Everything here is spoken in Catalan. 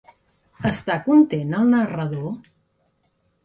Està content el narrador?